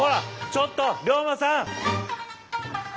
ちょっと龍馬さん！